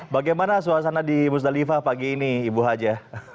bagaimana suasana di musdalifah pagi ini ibu haja